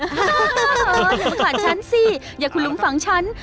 แล้วก่อนฉันสิอย่าคุ้นลุ้มฝังฉัน